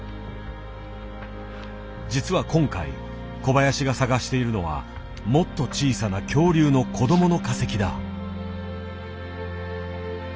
実は今回小林が探しているのはもっと小さな恐竜の子供の化石だ。